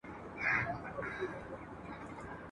یزید به لکه خلی د زمان بادونه یوسي !.